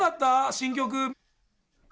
新曲。